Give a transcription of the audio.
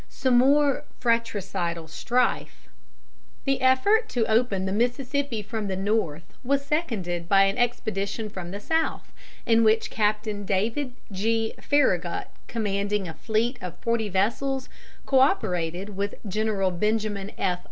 SOME MORE FRATRICIDAL STRIFE. The effort to open the Mississippi from the north was seconded by an expedition from the south, in which Captain David G. Farragut, commanding a fleet of forty vessels, co operated with General Benjamin F.